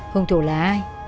hùng thủ là ai